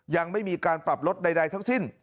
ยังไม่มีการปรับลดใดทั้งสิ้น